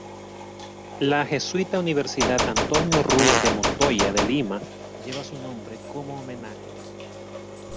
La jesuita Universidad Antonio Ruiz de Montoya de Lima lleva su nombre como homenaje.